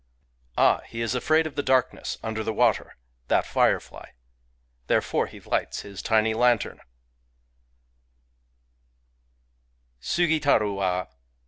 Ah, he is afraid of the darkness under the water, — that firefly ![ Thirefore he lights his tiny lantern /] Sugitaru wa